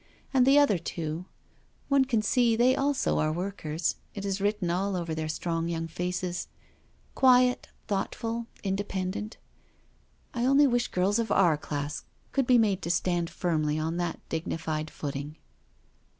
And the other two — one can see they also are workers — it is written all over their strong young faces — quiet, thoughtful, independent. I only wish girls of our class could be made to stand firmly on that dignified footing.